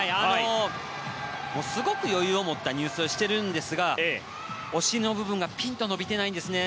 すごく余裕を持った入水をしているんですがお尻の部分がピンと伸びていないんですね。